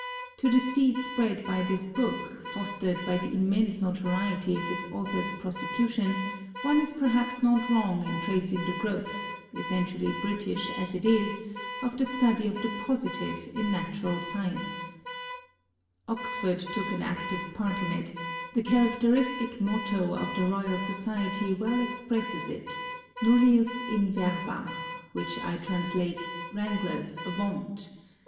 To the seed spread by this book, fostered by the immense notoriety of its author's prosecution, one is perhaps not wrong in tracing the growth, essentially British as it is, of the study of the positive in Natural Science, Oxford took 4 ON GRAVITATION an active part in it: the characteristic motto of the Royal Society well expresses it, Nullius in Verba, which I translate ' Wranglers, avaunt